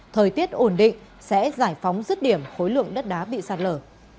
thời tiết ổn định sẽ giải phóng rứt điểm khối lượng đất đá bị sạt lở